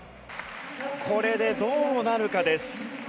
これでどうなるかです。